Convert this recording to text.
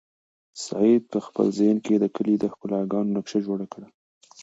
سعید په خپل ذهن کې د کلي د ښکلاګانو نقشه جوړه کړه.